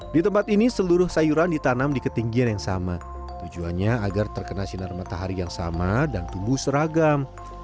di tempat ini seluruh sayuran ditanam di ketinggian yang sama tujuannya agar terkena sinar matahari yang sama dan tumbuh seragam